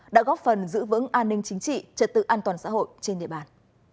đã góp phần giữ vững an ninh chính trị trật tự an toàn xã hội trên địa bàn